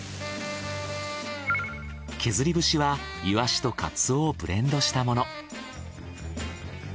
けずり節はイワシとカツオをブレンドしたもの。